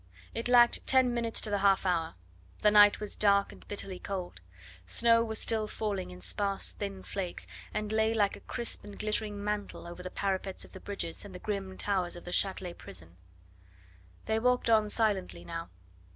It lacked ten minutes to the half hour; the night was dark and bitterly cold. Snow was still falling in sparse, thin flakes, and lay like a crisp and glittering mantle over the parapets of the bridges and the grim towers of the Chatelet prison. They walked on silently now.